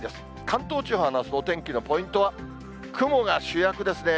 関東地方のあすの天気のポイントは、雲が主役ですね。